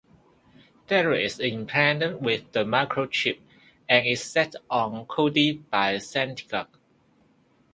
Derek is implanted with the microchip, and is set on Cody by Santiago.